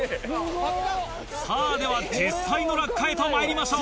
・さぁでは実際の落下へとまいりましょう。